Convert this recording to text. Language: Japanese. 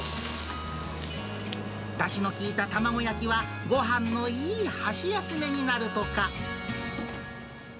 だしの効いた卵焼きは、ごはんのいい箸休めになるとか。